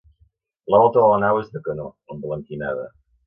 La volta de la nau és de canó, emblanquinada.